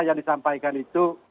yang disampaikan itu